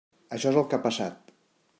Això és el que ha passat.